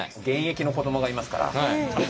現役の子どもがいますから。